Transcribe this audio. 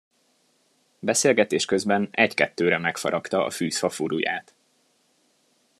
Beszélgetés közben egykettőre megfaragta a fűzfa furulyát.